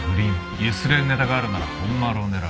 ゆすれるネタがあるなら本丸を狙う。